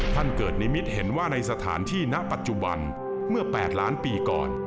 ท่านเกิดนิมิตเห็นว่าในสถานที่ณปัจจุบันเมื่อ๘ล้านปีก่อน